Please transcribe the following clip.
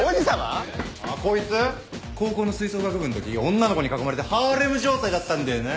こいつ高校の吹奏楽部んとき女の子に囲まれてハーレム状態だったんだよな。